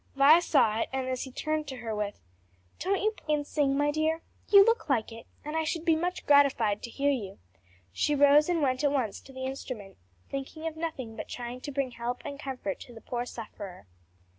Vi saw it, and, as he turned to her with, "Don't you play and sing, my dear? You look like it, and I should be much gratified to hear you," she rose and went at once to the instrument, thinking of nothing but trying to bring help and comfort to the poor sufferer.